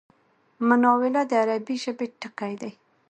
مناوله د عربي ژبی ټکی دﺉ.